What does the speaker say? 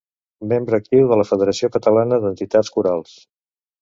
Membre actiu de la Federació Catalana d'Entitats Corals.